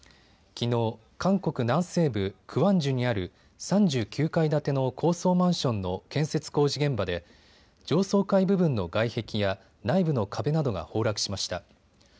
きのう、韓国南西部クワンジュにある３９階建ての高層マンションの建設工事現場で上層階部分の外壁や内部の壁などが崩落しました。